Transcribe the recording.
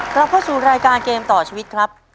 กลับเข้าสู่รายการเกมต่อชีวิตครับ